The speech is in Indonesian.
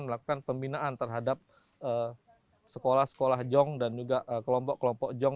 melakukan pembinaan terhadap sekolah sekolah jong dan juga kelompok kelompok jong